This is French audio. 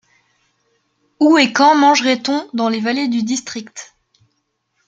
Où et quand mangerait-on dans les vallées du district